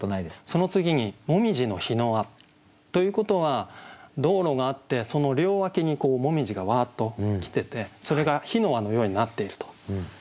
その次に「紅葉の火の輪」ということは道路があってその両脇に紅葉がわっと来ててそれが火の輪のようになっていると。